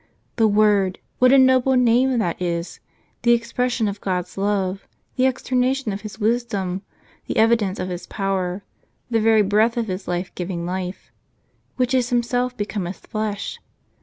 "The Word (what a noble name!), that is, the expression of God's love, the externation of His wisdom, the evidence of His power, the very breath of His life giving life, which is Himself, becometh flesh.